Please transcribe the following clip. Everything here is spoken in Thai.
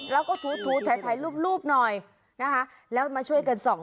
แล้วก็ถูถ่ายถ่ายรูปรูปหน่อยนะคะแล้วมาช่วยกันส่อง